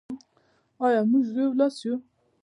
آیا موږ یو لاس یو؟